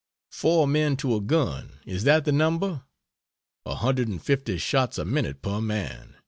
Four men to a gun is that the number? A hundred and fifty shots a minute per man.